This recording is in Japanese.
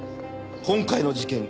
今回の事件